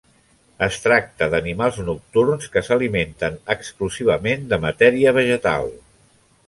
Es tracta d'animals nocturns que s'alimenten exclusivament de matèria vegetal.